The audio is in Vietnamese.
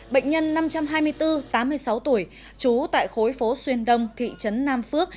bệnh nhân năm trăm hai mươi bốn tám mươi sáu tuổi trú tại khối phố xuyên đông thị trấn nam phước